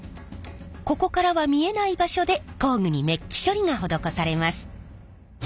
ここからは見えない場所で工具にめっき処理が施されます。